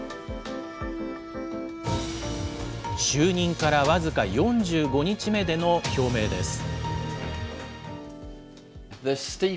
就任から僅か４５日目での表明です。